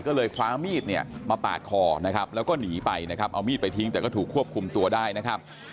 ก็เลยคว้ามีดเนี่ยมาปาดคอนะครับแล้วก็หนีไปนะครับเอามีดไปทิ้งแต่ก็ถูกควบคุมตัวได้นะครับ